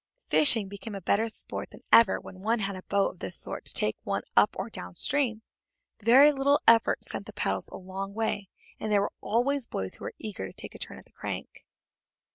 Fishing became better sport than ever when one had a boat of this sort to take one up or down stream. Very little effort sent the paddles a long way, and there were always boys who were eager to take a turn at the crank.